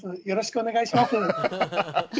よろしくお願いします。